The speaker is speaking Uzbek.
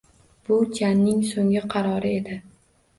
Bu Janning so`nggi qarori edi